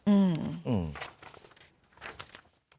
อืม